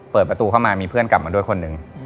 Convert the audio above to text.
เปิดประตูเข้ามามีเพื่อนกลับมาด้วยคนหนึ่ง